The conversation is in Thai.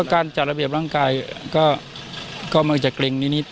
การจัดระเบียบร่างกายก็มักจะเกร็งนิด